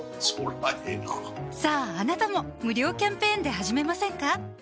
そりゃええなさぁあなたも無料キャンペーンで始めませんか？